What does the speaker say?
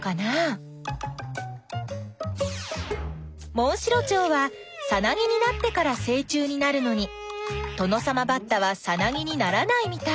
モンシロチョウはさなぎになってからせい虫になるのにトノサマバッタはさなぎにならないみたい。